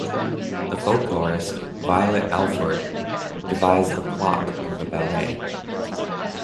The folklorist Violet Alford devised the plot of the ballet.